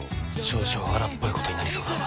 少々荒っぽいことになりそうだ。